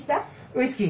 ウイスキー！